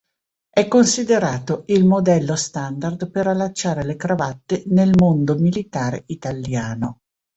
È considerato il modello standard per allacciare le cravatte nel mondo militare italiano.